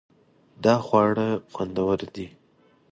دا خواړه خوندور دي